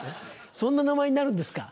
そんな名前になるんですか？